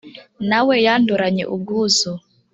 Na we yandoranye ubwuzu.